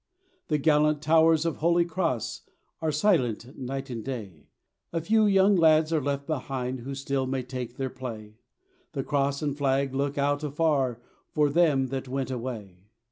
The gallant towers at Holy Cross Are silent night and day, A few young lads are left behind Who still may take their play; The Cross and Flag look out afar For them that went away.